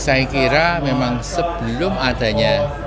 saya kira memang sebelum adanya